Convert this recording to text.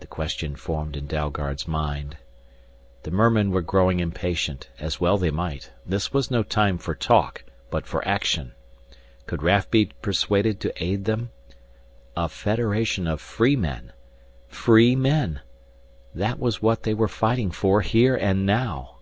The question formed in Dalgard's mind. The mermen were growing impatient, as well they might. This was no time for talk, but for action. Could Raf be persuaded to aid them? A Federation of Free Men Free Men! That was what they were fighting for here and now.